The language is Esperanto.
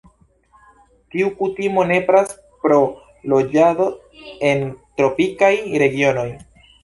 Tiu kutimo nepras pro loĝado en tropikaj regionoj.